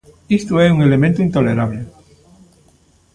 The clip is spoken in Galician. Isto é un elemento intolerable.